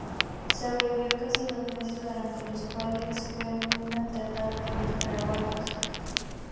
Sobrevivió casi dos meses, durante los cuales fue muy maltratado por los paraguayos.